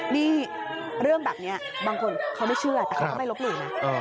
นี่เรื่องแบบนี้บางคนเขาไม่เชื่อแต่เขาก็ไม่ลบหลู่นะ